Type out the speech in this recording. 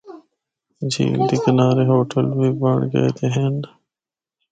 جھیل دے کنارے ہوٹل بھی بنڑ گئے دے ہن۔